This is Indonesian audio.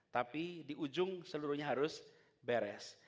tapi di ujung seluruhnya harus beres